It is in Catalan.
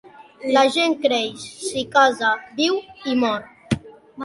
La gent creix, s'hi casa, viu, i mor.